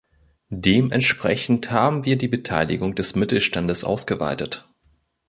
Dementsprechend haben wir die Beteiligung des Mittelstandes ausgeweitet.